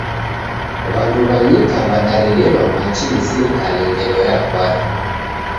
W'andu wa nyika wadaredelwa machi ni sirikali ngelo ya kwari